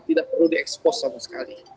tidak perlu diekspos sama sekali